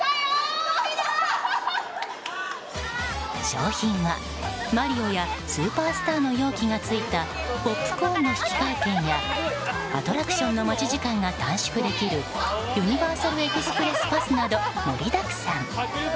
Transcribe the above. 商品はマリオやスーパースターの容器がついたポップコーンの引換券やアトラクションの待ち時間が短縮できるユニバーサル・エクスプレス・パスなど盛りだくさん。